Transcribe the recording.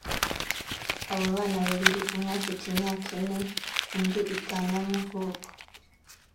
Abo bana babiri umwe afite imyaka ine undi itanu y’amavuko